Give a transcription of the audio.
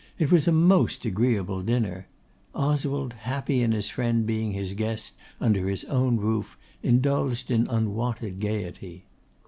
It was a most agreeable dinner. Oswald, happy in his friend being his guest, under his own roof, indulged in unwonted gaiety.